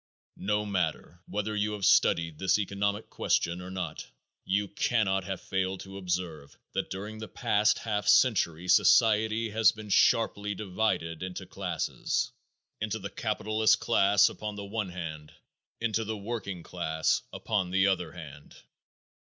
No matter whether you have studied this economic question or not, you cannot have failed to observe that during the past half century society has been sharply divided into classes into a capitalist class upon the one hand, into a working class upon the other hand.